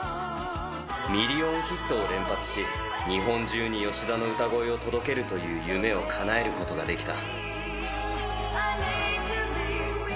ミリオンヒットを連発し、日本中に吉田の歌声を届けるという夢をかなえることができた。